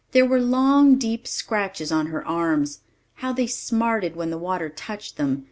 There were long, deep scratches on her arms. How they smarted when the water touched them!